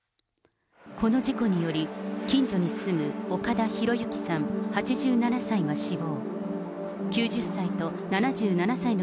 この事故により、近所に住む岡田博行さん８７歳が死亡。